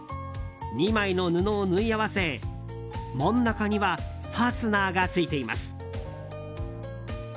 ２枚の布を縫い合わせ真ん中にはファスナーがついています。